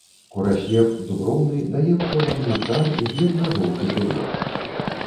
Кураслеп дуброўны дае пчолам нектар і бледна-жоўты пылок.